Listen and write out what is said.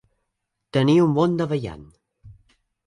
Tenir un bon davallant.